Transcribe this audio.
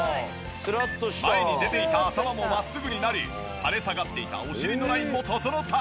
前に出ていた頭も真っすぐになり垂れ下がっていたお尻のラインも整った。